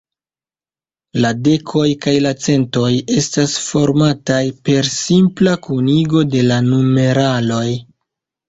La dekoj kaj centoj estas formataj per simpla kunigo de la numeraloj.